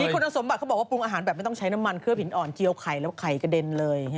คุณสมบัติเขาบอกว่าปรุงอาหารแบบไม่ต้องใช้น้ำมันเครื่องหินอ่อนเจียวไข่แล้วไข่กระเด็นเลย